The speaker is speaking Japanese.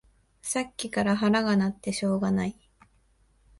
さっきから腹が鳴ってしょうがない